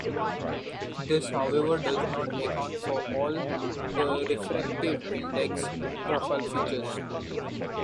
This however does not account for all the refractive index profile features.